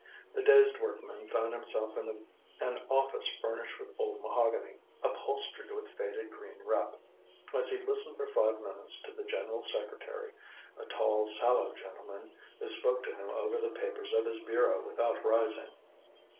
The dazed workman found himself in an office furnished with old mahogany, upholstered with faded green rep. And he listened for five minutes to the general secretary, a tall sallow gentleman, who spoke to him over the papers of his bureau without rising.